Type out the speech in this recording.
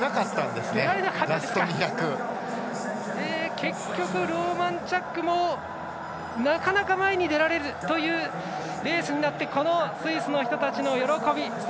結局ローマンチャックもなかなか前に出られずというレースになってスイスの人たちの喜びが映りました。